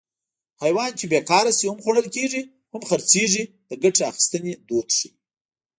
حیوان چې بېکاره شي هم خوړل کېږي هم خرڅېږي د ګټې اخیستنې دود ښيي